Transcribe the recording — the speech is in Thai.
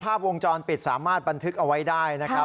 ภาพวงจรปิดสามารถบันทึกเอาไว้ได้นะครับ